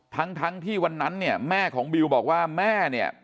ทั้งทั้งที่วันนั้นเนี่ยแม่ของบิวบอกว่าแม่เนี่ย